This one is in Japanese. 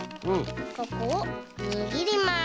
ここをにぎります。